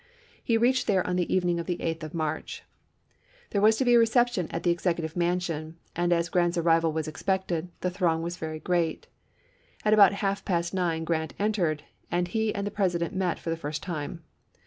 He reached there on the evening of the 8th of March. There 340 ABKAHAM LINCOLN ch. xin. was to be a reception at the Executive Mansion and, as G rant's arrival was expected, the throng was very gi eat. At about half past nine Grant entered, and he and the President met for the first time.